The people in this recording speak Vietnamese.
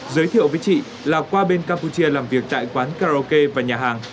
giới thiệu với chị là qua bên campuchia làm việc tại quán karaoke và nhà hàng